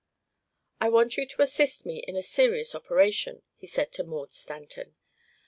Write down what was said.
"I want you to assist me in a serious operation," he said to Maud Stanton.